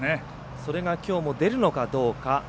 それがきょうも出るのかどうか。